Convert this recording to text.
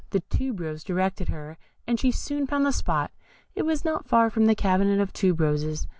The Tube rose directed her, and she soon found the spot; it was not far from the cabinet of tube roses.